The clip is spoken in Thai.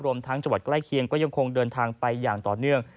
ทั้งจังหวัดใกล้เคียงก็ยังคงเดินทางไปอย่างต่อเนื่อง